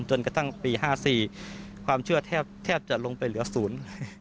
จนกระทั่งปี๕๔ความเชื่อแทบจะลงไปเหลือศูนย์